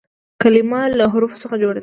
کلیمه له حروفو څخه جوړه ده.